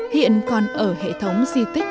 hiện còn ở hệ thống di tích